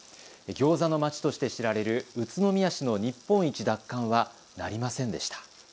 ギョーザのまちとして知られる宇都宮市の日本一奪還はなりませんでした。